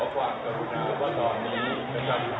ขอฝากกับครูดอากาศด้อนนี้